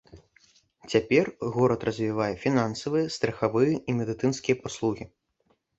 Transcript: Цяпер горад развівае фінансавыя, страхавыя і медыцынскія паслугі.